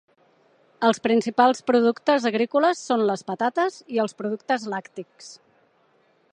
Els principals productes agrícoles són les patates i els productes làctics.